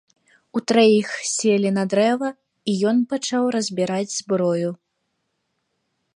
Утраіх селі на дрэва, і ён пачаў разбіраць зброю.